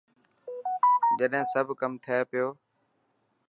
چڏهن سب ڪم ٿي پيو.